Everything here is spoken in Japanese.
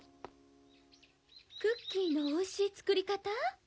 クッキーの美味しい作り方？